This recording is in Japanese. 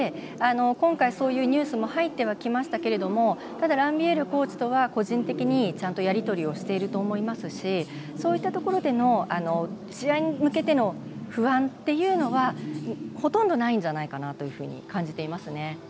今回、そういうニュースも入ってはきましたけどもただ、ランビエールコーチとは個人的にちゃんとやり取りしていると思いますしそういったところでの試合に向けての不安というのはほとんどないんじゃないかなと感じていますね。